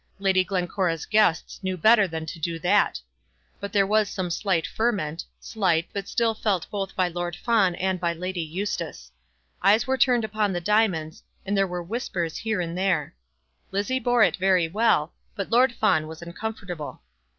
Lady Glencora's guests knew better than to do that. But there was some slight ferment, slight, but still felt both by Lord Fawn and by Lady Eustace. Eyes were turned upon the diamonds, and there were whispers here and there. Lizzie bore it very well; but Lord Fawn was uncomfortable.